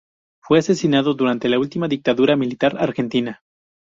Fue asesinado durante la última dictadura militar argentina.